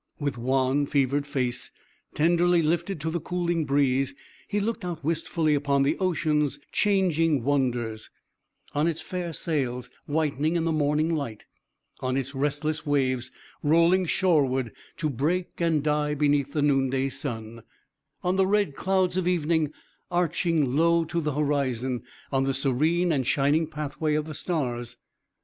With wan, fevered face, tenderly lifted to the cooling breeze, he looked out wistfully upon the ocean's changing wonders; on its fair sails, whitening in the morning light; on its restless waves, rolling shoreward, to break and die beneath the noonday sun; on the red clouds of evening, arching low to the horizon; on the serene and shining pathway of the stars.